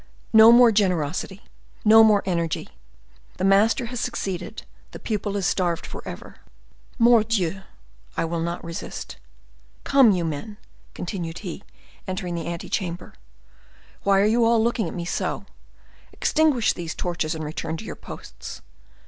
No more generosity, no more energy! The master has succeeded, the pupil is starved forever. Mordioux! I will not resist. Come, you men," continued he, entering the ante chamber, "why are you all looking at me so? Extinguish these torches and return to your posts.